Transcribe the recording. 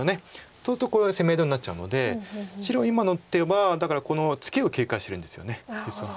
そうするとこれが攻め取りになっちゃうので白今の手はだからこのツケを警戒してるんですよね実は。